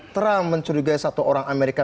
trump mencurigai satu orang amerika